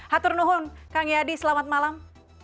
haturnuhun kang yadi selamat malam